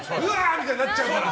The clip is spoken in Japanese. みたいになっちゃうから。